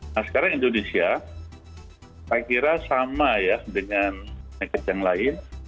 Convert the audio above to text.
nah sekarang indonesia saya kira sama ya dengan negara yang lain